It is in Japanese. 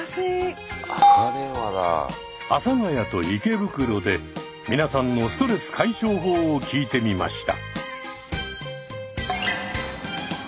阿佐ヶ谷と池袋で皆さんのストレス解消法を聞いてみました。